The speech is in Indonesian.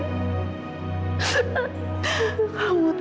awas salim ke tadi